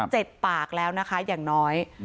ปากแล้วนะคะอย่างน้อย